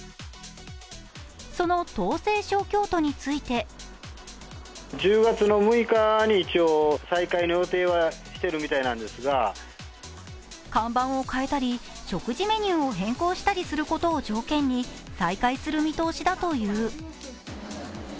その盛唐・小京都について看板を変えたり、食事メニューを変更したりすることにより再開する見通しだという。